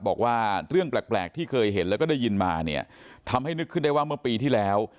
บอกว่าเรื่องแปลกที่เคยเห็นแล้วก็ได้ยินมาเนี่ยทำให้นึกขึ้นได้ว่าเมื่อปีที่แล้ว